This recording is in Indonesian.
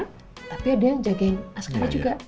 tapi ada yang jagain askari juga